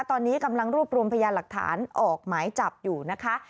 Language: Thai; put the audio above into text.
ตอนนี้กำลังรวบรวมพยานหลักฐานออกหมายจับอยู่นะคะ